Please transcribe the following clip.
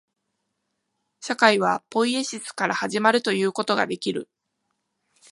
社会はポイエシスから始まるということができる。